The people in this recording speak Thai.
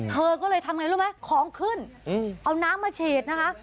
เธอก็เลยทำไงรู้ไหมของขึ้นเอาน้ำมาฉีดนะคะ